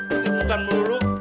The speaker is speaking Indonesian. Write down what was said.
ini bukan meluru